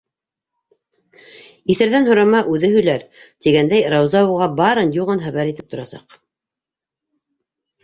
Иҫәрҙән һорама - үҙе һөйләр, тигәндәй, Рауза уға барын-юғын хәбәр итеп торасаҡ.